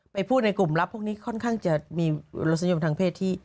พูดในกลุ่มลับพวกนี้ค่อนข้างจะมีรสนิยมทางเพศที่